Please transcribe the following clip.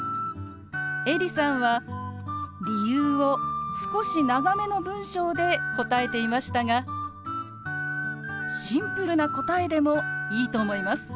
エリさんは理由を少し長めの文章で答えていましたがシンプルな答えでもいいと思います。